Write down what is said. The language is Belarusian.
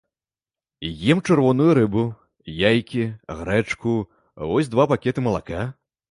Ем чырвоную рыбу, яйкі, грэчку, вось два пакеты малака.